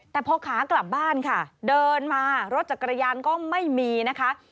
แต่พอขากลับบ้านค่ะเดินมารถจักรยานก็ไม่มีนะคะ